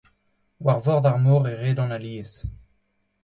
War vord ar mor e redan alies.